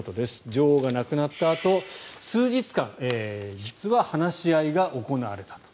女王が亡くなったあと数時間、実は話し合いが行われたと。